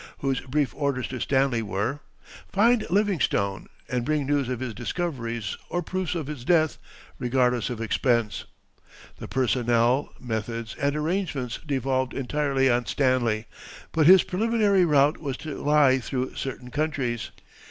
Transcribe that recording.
whose brief orders to Stanley were: "Find Livingstone and bring news of his discoveries or proofs of his death, regardless of expense." The personnel, methods, and arrangements devolved entirely on Stanley, but his preliminary route was to lie through certain countries.